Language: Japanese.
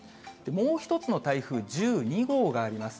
もう１つの台風１２号があります。